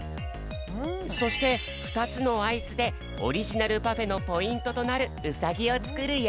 そしてふたつのアイスでオリジナルパフェのポイントとなるウサギをつくるよ。